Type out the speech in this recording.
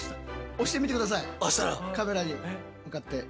押してみて下さいカメラに向かって。